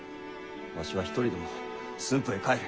わしは一人でも駿府へ帰る。